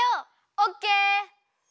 オッケー！